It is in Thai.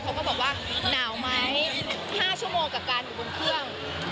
เขาก็บอกว่าหนาวไหม๕ชั่วโมงกับการอยู่บนเครื่อง